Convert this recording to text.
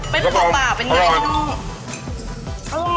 เป็นผกปะเป็นยังไงน้อง